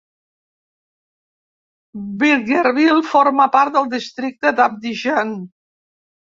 Bingerville forma part del Districte d'Abidjan.